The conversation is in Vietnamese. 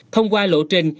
thông qua lộ trình